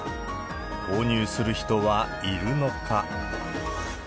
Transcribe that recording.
購入する人はいるのか。